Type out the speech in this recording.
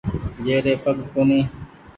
جيري پگ ڪونيٚ ۔